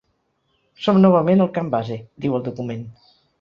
Som novament al camp base, diu el document.